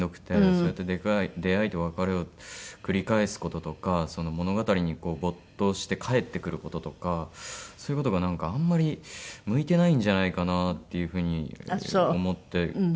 そうやって出会いと別れを繰り返す事とか物語に没頭して帰ってくる事とかそういう事がなんかあんまり向いてないんじゃないかなっていう風に思って。